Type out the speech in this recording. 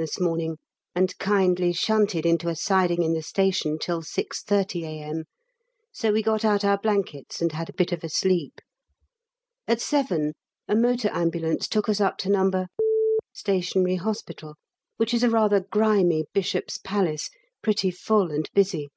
this morning, and kindly shunted into a siding in the station till 6.30 A.M., so we got out our blankets and had a bit of a sleep. At 7 a motor ambulance took us up to No. Stationary Hospital, which is a rather grimy Bishop's Palace, pretty full and busy.